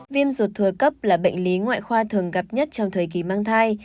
viêm ruột thừa cấp là bệnh lý ngoại khoa thường gặp nhất trong thời kỳ mang thai